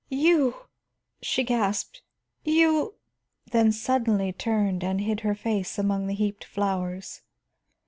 "You!" she gasped, "You " then suddenly turned and hid her face among the heaped flowers.